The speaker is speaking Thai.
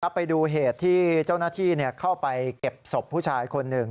ไปดูเหตุที่เจ้าหน้าที่เข้าไปเก็บศพผู้ชายคนหนึ่ง